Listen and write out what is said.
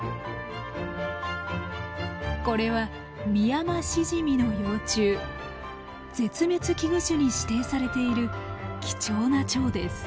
これは絶滅危惧種に指定されている貴重なチョウです。